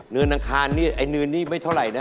เนื้อนางคารเนี่ยไอ้เนื้อนนี้ไม่เท่าไรนะ